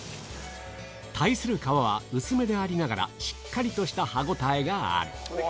対する皮は薄めでありながら、しっかりとした歯ごたえがある。